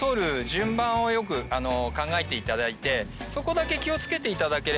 順番をよく考えていただいてそこだけ気を付けていただければ。